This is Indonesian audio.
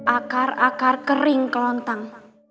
akar akar kering kelontang